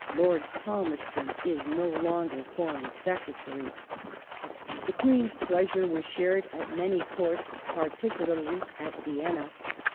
Lord Palmerston is no longer Foreign Secretary." ^ The Queen's pleasure was shared at many Courts, particularly at Vienna.